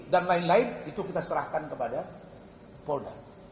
dan lain lain itu kita serahkan kepada pouda